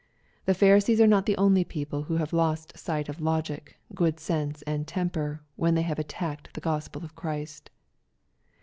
The Pharisees are not the only people who have lost sight of logic, good sense, and temper, when they have attacked the Gospel of Christ.